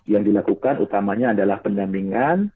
yang dilakukan utamanya adalah pendampingan